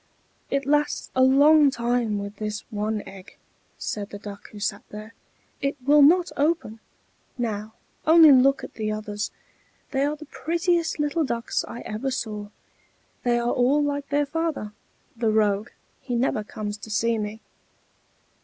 "It lasts a long time with this one egg," said the Duck who sat there. "It will not open. Now, only look at the others! They are the prettiest little ducks I ever saw. They are all like their father: the rogue, he never comes to see me."